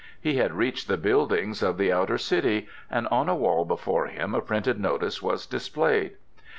He had reached the buildings of the outer city, and on a wall before him a printed notice was displayed.